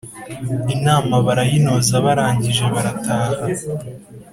inama barayinoza barangije barataha